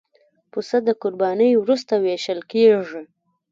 پسه د قربانۍ وروسته وېشل کېږي.